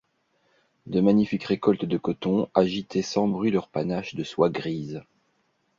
De magnifiques récoltes de coton agitaient sans bruit leurs panaches de soie grise